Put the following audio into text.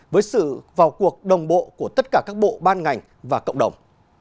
với sự vào cuộc đồng bộ của tất cả các bộ ban ngành và cộng đồng